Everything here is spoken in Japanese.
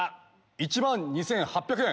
１万２８００円。